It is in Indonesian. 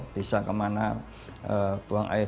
bisa kemana buang air